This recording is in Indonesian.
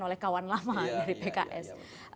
oleh kawan lama dari pks